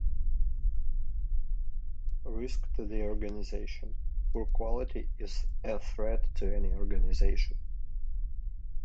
"Risks to the organisation": poor quality is a threat to any organisation.